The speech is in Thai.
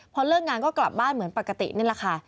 พอเลิกงานก็กลับบ้านเหมือนปกตินี่แหละค่ะ